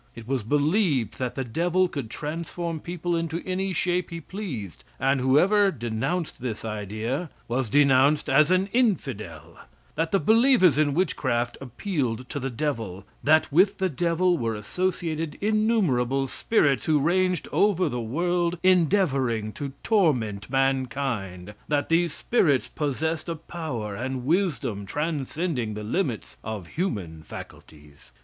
It was believed that the devil could transform people into any shape he pleased, and whoever denounced this idea was denounced as an Infidel; that the believers in witchcraft appealed to the devil; that with the devil were associated innumerable spirits, who ranged over the world endeavoring to torment mankind; that these spirits possessed a power and wisdom transcending the limits of human faculties.